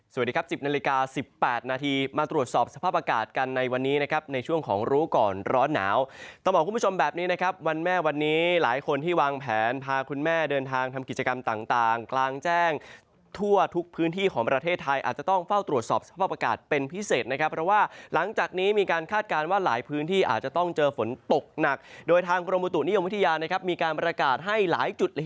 สวัสดีครับ๑๐นาฬิกา๑๘นาทีมาตรวจสอบสภาพประกาศกันในวันนี้นะครับในช่วงของรู้ก่อนร้อนหนาวต่อมาคุณผู้ชมแบบนี้นะครับวันแม่วันนี้หลายคนที่วางแผนพาคุณแม่เดินทางทำกิจกรรมต่างกลางแจ้งทั่วทุกพื้นที่ของประเทศไทยอาจจะต้องเฝ้าตรวจสอบสภาพประกาศเป็นพิเศษนะครับเพราะว่าหลั